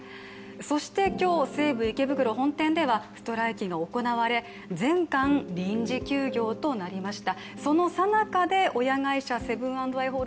そして今日、西武池袋本店ではストライキが行われ全館臨時休業となりました。